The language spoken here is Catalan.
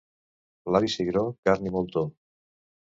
L'avi Cigró, carn i moltó.